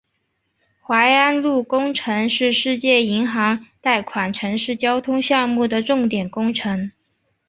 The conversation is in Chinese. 槐安路工程是世界银行贷款城市交通项目的重点工程。